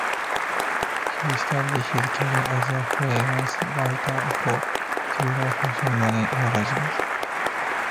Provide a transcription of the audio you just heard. Kelly started his career as a freelance writer for several fashion magazines.